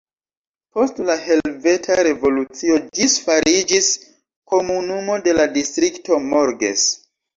Post la Helveta Revolucio ĝis fariĝis komunumo de la Distrikto Morges.